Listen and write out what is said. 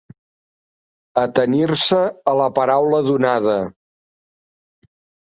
Atenir-se a la paraula donada.